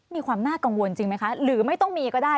มีความน่ากังวลจริงไหมคะหรือไม่ต้องมีก็ได้